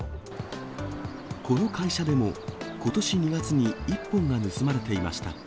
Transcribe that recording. この会社でも、ことし２月に１本が盗まれていました。